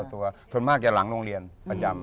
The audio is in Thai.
ส่วนมากอย่างหลังโรงเรียนประจำ